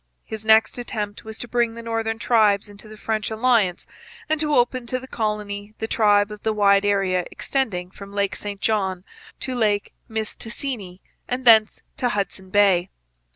His next attempt was to bring the northern tribes into the French alliance and to open to the colony the trade of the wide area extending from Lake St John to Lake Mistassini and thence to Hudson Bay.